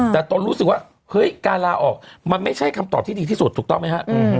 แต่ตนรู้สึกว่าเฮ้ยการลาออกมันไม่ใช่คำตอบที่ดีที่สุดถูกต้องไหมฮะ